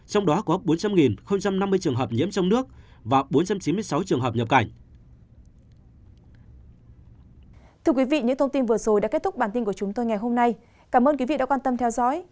trong đó có bốn trăm linh năm mươi trường hợp nhiễm trong nước và bốn trăm chín mươi sáu trường hợp nhập cảnh